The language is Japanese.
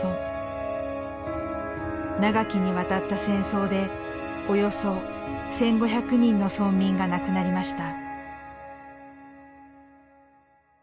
長きにわたった戦争でおよそ１，５００人の村民が亡くなりました。